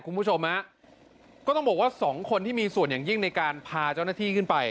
คุณผู้ชมฮะก็ต้องบอกว่าสองคนที่มีส่วนอย่างยิ่งในการพาเจ้าหน้าที่ขึ้นไป